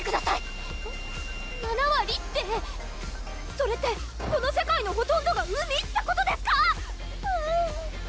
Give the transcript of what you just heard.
それってこの世界のほとんどが海ってことですか